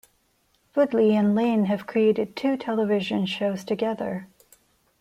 Woodley and Lane have created two television shows together.